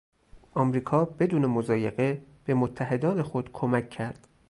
امریکا بدون مضایقه به متحدان خود کمک کرد.